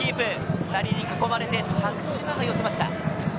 ２人に囲まれて多久島が寄せました。